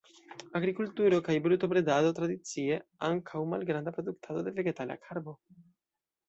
Agrikulturo kaj brutobredado tradicie, ankaŭ malgranda produktado de vegetala karbo.